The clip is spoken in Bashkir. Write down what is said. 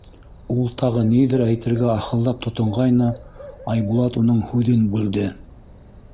— Ул тағы ниҙер әйтергә ахылдап тотонғайны, Айбулат уның һүҙен бүлде: